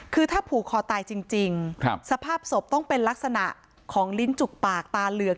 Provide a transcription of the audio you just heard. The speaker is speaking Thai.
คือถ้าผูกคอตายจริงสภาพศพต้องเป็นลักษณะของลิ้นจุกปากตาเหลือก